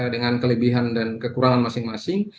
dengan kelebihan dan kekurangan masing masing